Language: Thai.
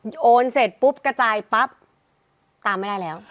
โยนเสร็จปุ๊บกระจายปั๊บตามไม่ได้แล้ว